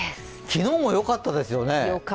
昨日も良かったですよね。